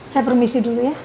saya permisi dulu ya